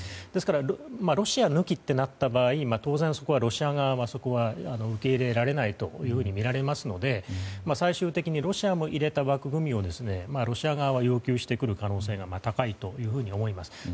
ですからロシア抜きとなった場合当然、そこはロシア側はそこは受け入れられないとみられますので最終的にロシアも入れた枠組みをロシア側は要求してくる可能性は高いというふうに思います。